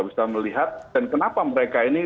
bisa melihat dan kenapa mereka ini